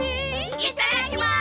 いただきます！